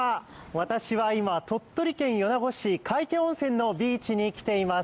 私は今、鳥取県米子市皆生温泉のビーチにきています。